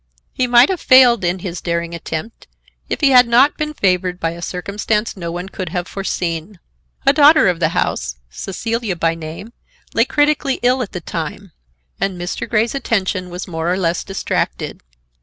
He might have failed in his daring attempt if he had not been favored by a circumstance no one could have foreseen. A daughter of the house, Cecilia by name, lay critically ill at the time, and Mr. Grey's attention was more or less distracted.